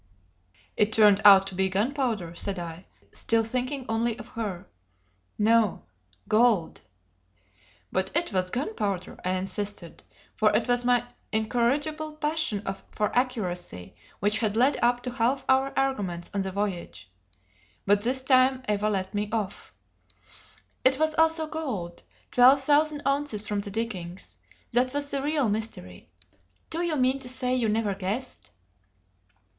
"It turned out to be gunpowder," said I, still thinking only of her. "No gold!" "But it was gunpowder," I insisted; for it was my incorrigible passion for accuracy which had led up to half our arguments on the voyage; but this time Eva let me off. "It was also gold: twelve thousand ounces from the diggings. That was the real mystery. Do you mean to say you never guessed?"